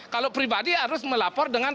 kalau pribadi harus melapor dengan